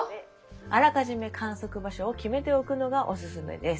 「あらかじめ観測場所を決めておくのがおすすめです」。